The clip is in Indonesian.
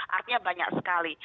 artinya banyak sekali